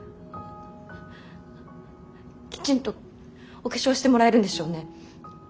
きちんとお化粧してもらえるんでしょうね。